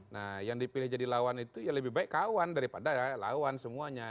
nah yang dipilih jadi lawan itu ya lebih baik kawan daripada lawan semuanya